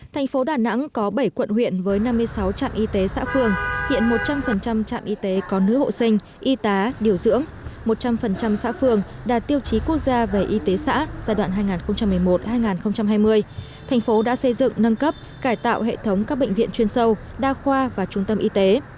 thành phố đà nẵng có bảy quận huyện với năm mươi sáu trạm y tế xã phường hiện một trăm linh trạm y tế có nữ hộ sinh y tá điều dưỡng một trăm linh xã phường đạt tiêu chí quốc gia về y tế xã giai đoạn hai nghìn một mươi một hai nghìn hai mươi thành phố đã xây dựng nâng cấp cải tạo hệ thống các bệnh viện chuyên sâu đa khoa và trung tâm y tế